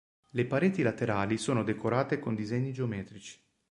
Le pareti laterali sono decorate con disegni geometrici.